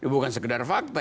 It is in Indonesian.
bukan sekedar fakta